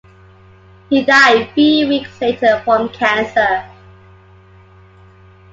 He died three weeks later from cancer.